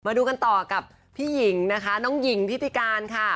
มาดูกันต่อกับพี่หญิงนะคะน้องหญิงทิติการค่ะ